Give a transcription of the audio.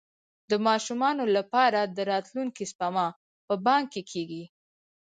د ماشومانو لپاره د راتلونکي سپما په بانک کې کیږي.